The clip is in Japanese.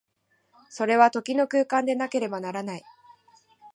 それは時の空間でなければならない。